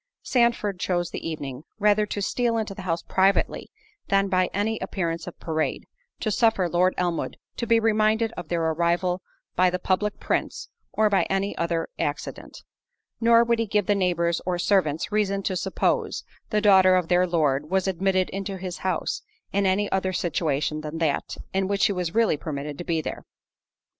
Sandford chose the evening, rather to steal into the house privately, than by any appearance of parade, to suffer Lord Elmwood to be reminded of their arrival by the public prints, or by any other accident. Nor would he give the neighbours or servants reason to suppose, the daughter of their Lord was admitted into his house, in any other situation than that, in which she really was permitted to be there.